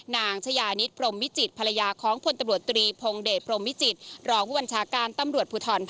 นางชญานิตพรมวิจิตภาระยาของพลตำรวจตรีพงเดชพรมวิจิตรองบิวบรรชาการตำรวจผู้ถอนภาค๕